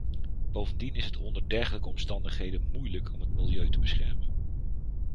Bovendien is het onder dergelijke omstandigheden moeilijk om het milieu te beschermen.